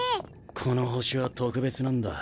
この星は特別なんだ。